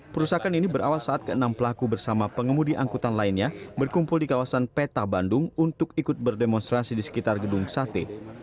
perusakan ini berawal saat keenam pelaku bersama pengemudi angkutan lainnya berkumpul di kawasan peta bandung untuk ikut berdemonstrasi di sekitar gedung sate